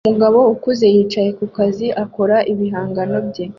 Umugabo ukuze yicaye ku kazi akora ibihangano bye